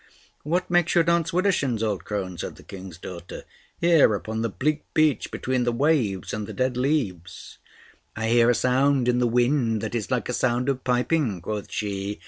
"What makes you dance widdershins, old crone?" said the King's daughter; "here upon the bleak beach, between the waves and the dead leaves?" "I hear a sound in the wind that is like a sound of piping," quoth she.